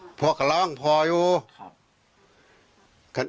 อันนี้เป็นคำกล่าวอ้างของทางฝั่งของพ่อตาที่เป็นผู้ต้องหานะ